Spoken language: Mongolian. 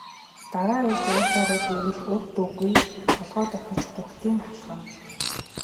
Дараа ирж уулзаарай гэвэл үг дуугүй толгой дохиж бөгтийн алхана.